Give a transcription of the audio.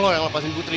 lo yang lepasin putri